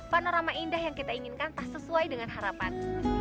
kita inginkan tak sesuai dengan harapan